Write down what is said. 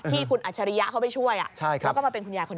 ที่คุณอัจฉริยะเขาไปช่วยแล้วก็มาเป็นคุณยายคนนั้น